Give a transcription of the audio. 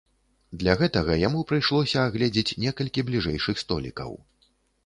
Для гэтага яму прыйшлося агледзець некалькі бліжэйшых столікаў.